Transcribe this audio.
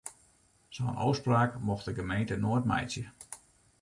Sa'n ôfspraak mocht de gemeente noait meitsje.